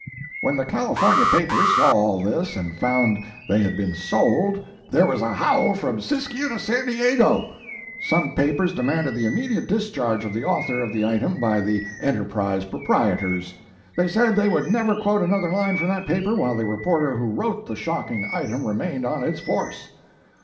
When the California papers saw all this and found they had been sold, there was a howl from Siskiyou to San Diego. Some papers demanded the immediate discharge of the author of the item by the 'Enterprise' proprietors. They said they would never quote another line from that paper while the reporter who wrote the shocking item remained on its force.